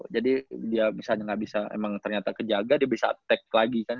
jadi dia misalnya gak bisa emang ternyata kejaga dia bisa attack lagi kan